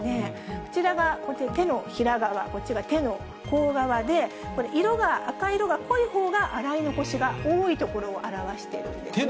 こちらが手のひら側、こちら、手の甲側で、これ、色が、赤色が濃いほうが洗い残しが多いところを表しているんですね。